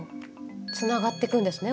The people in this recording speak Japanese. つながってくんですね